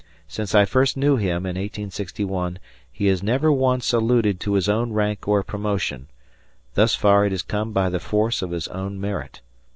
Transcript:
Since I first knew him, in 1861, he has never once alluded to his own rank or promotion; thus far it has come by the force of his own merit.